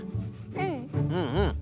うんうん。